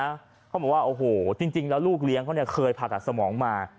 เขาบอกว่าโอ้โหจริงแล้วลูกเลี้ยงเขาเนี่ยเคยผ่าตัดสมองมา